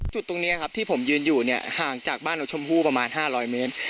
จุดตรงนี้ครับที่ผมยืนอยู่เนี่ยห่างจากบ้านน้องชมพู่ประมาณ๕๐๐เมตร